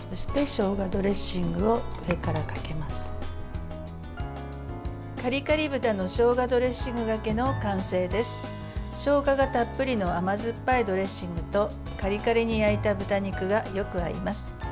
しょうががたっぷりの甘酸っぱいドレッシングとカリカリに焼いた豚肉がよく合います。